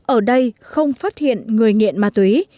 ở đây không phát hiện người nghiện ma túy